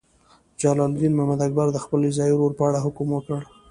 جلال الدین محمد اکبر د خپل رضاعي ورور په اړه حکم وکړ.